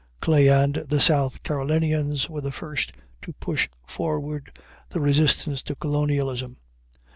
Clay and the South Carolinians were the first to push forward the resistance to colonialism.